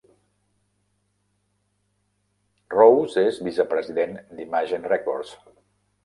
Rose és vicepresident d'Imagen Records.